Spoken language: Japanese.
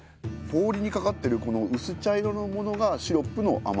氷にかかってるこの薄茶色のものがシロップのあ